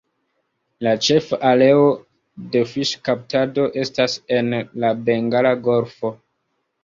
La ĉefa areo de fiŝkaptado estas en la Bengala Golfo.